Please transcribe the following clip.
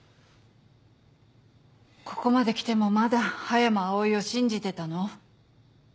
ここまで来てもまだ葉山葵を信じてたの？